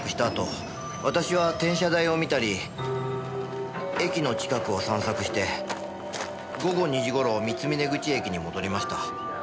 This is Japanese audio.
あと私は転車台を見たり駅の近くを散策して午後２時頃三峰口駅に戻りました。